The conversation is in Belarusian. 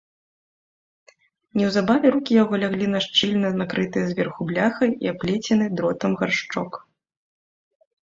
Неўзабаве рукі яго ляглі на шчыльна накрыты зверху бляхай і аплецены дротам гаршчок.